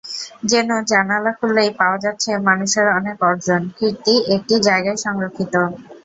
যেন জানালা খুললেই পাওয়া যাচ্ছে মানুষের অনেক অর্জন, কীর্তি একটি জায়গায় সংরক্ষিত।